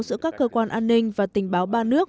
giữa các cơ quan an ninh và tình báo ba nước